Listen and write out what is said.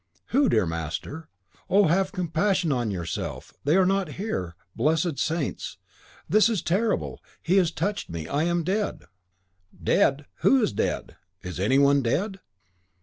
"Who, dear master? Oh, have compassion on yourself; they are not here. Blessed saints! this is terrible; he has touched me; I am dead!" "Dead! who is dead? Is any one dead?"